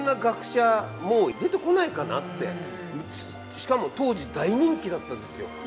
しかも当時大人気だったですよ。